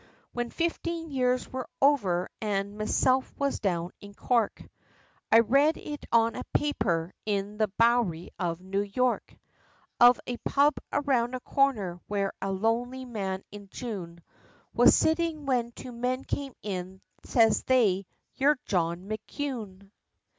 When fifteen years wor over, an' meself was down in Cork, I read it on a paper, in the Bowry of New York, Of a pub around a corner, where a lonely man in June, Was sittin', when two men came in, says they, "you're John McKune!"